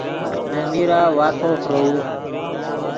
دے میرہ وارفو فروؤ